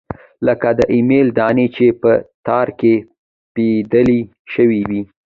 لکه د امېل دانې چې پۀ تار کښې پېرلے شوي وي